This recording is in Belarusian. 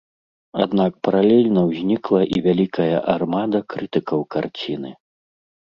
Аднак паралельна ўзнікла і вялікая армада крытыкаў карціны.